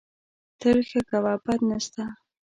تل ښه کوه، بد نه سته